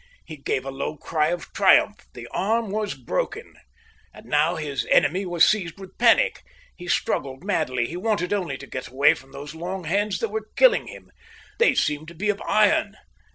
He gave a low cry of triumph; the arm was broken. And now his enemy was seized with panic; he struggled madly, he wanted only to get away from those long hands that were killing him. They seemed to be of iron.